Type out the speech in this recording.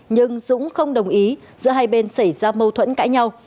nhưng dũng không đồng ý giữa hai bên xảy ra mâu thuẫn cãi nhau